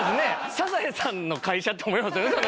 『サザエさん』の会社？って思いますよね。